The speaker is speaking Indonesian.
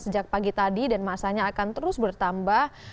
sejak pagi tadi dan masanya akan terus bertambah